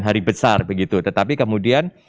hari besar begitu tetapi kemudian